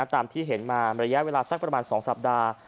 ตามที่เห็นมาระยะเวลาสักประมาณ๒สัปดาห์